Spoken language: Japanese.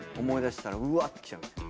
思い出したらうわってきちゃう。